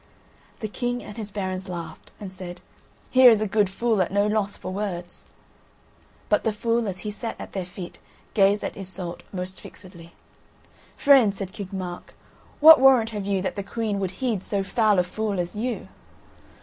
The King and his barons laughed and said: "Here is a good fool at no loss for words." But the fool as he sat at their feet gazed at Iseult most fixedly. "Friend," said King Mark, "what warrant have you that the Queen would heed so foul a fool as you?"